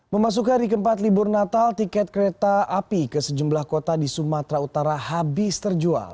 memasuki hari keempat libur natal tiket kereta api ke sejumlah kota di sumatera utara habis terjual